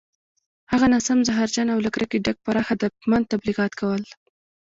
هغه ناسم، زهرجن او له کرکې ډک پراخ هدفمند تبلیغات کول